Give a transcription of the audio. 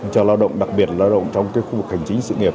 cho lao động đặc biệt lao động trong khu vực hành chính sự nghiệp